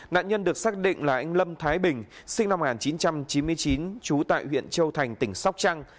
nạn nhân được xác định là anh lâm thái bình sinh năm một nghìn chín trăm chín mươi chín trú tại huyện châu thành tỉnh sóc trăng